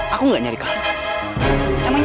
aku nyariin dokter panji